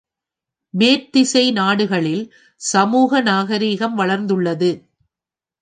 மேற்றிசை நாடுகளில் சமூக நாகரிகம் வளர்ந்துள்ளது.